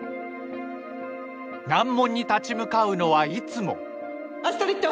難問に立ち向かうのはいつもアストリッド。